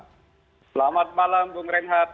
selamat malam bung renhat